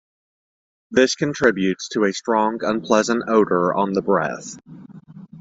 This contributes to a strong unpleasant odour on the breath.